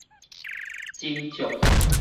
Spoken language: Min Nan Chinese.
斟酌